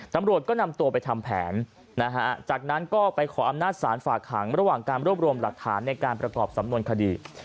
ตำรวจก็นำตัวไปทำแผนนะฮะจากนั้นก็ไปขออำนาจศาลฝากขังระหว่างการรวบรวมหลักฐานในการประกอบสำนวนคดี